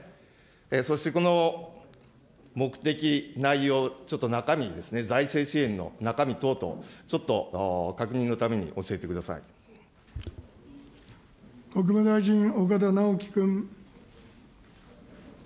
そして、この目的、内容、ちょっと中身ですね、財政支援の中身等々、ちょっと確認のために、国務大臣、岡田直樹君。